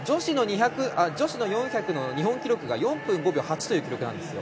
女子の４００の日本記録が４分５秒８という記録なんですよ。